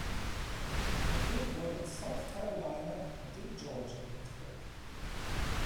Der Film wurde in South Carolina und in Georgia gedreht.